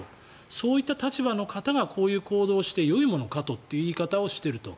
そういった立場の方がこういう行動してよいものかという言い方をしていると。